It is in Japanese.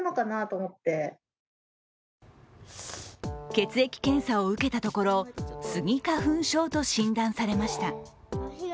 血液検査を受けたところ、スギ花粉症と診断されました。